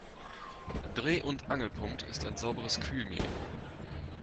Dreh- und Angelpunkt ist ein sauberes Kühlmedium.